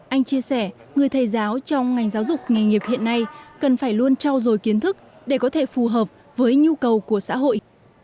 anh chia sẻ người thầy giáo trong ngành giáo dục nghề nghiệp hiện nay cần phải luôn trao dồi kiến thức để có thể phù hợp với nhu cầu của xã hội